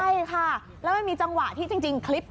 ใช่ค่ะแล้วมันมีจังหวะที่จริงคลิป